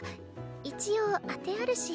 一応当てあるし。